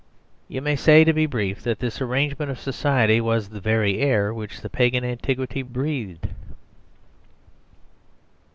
You may say, to be brief, that this arrangement of society was the very air which Pagan Antiquity breathed.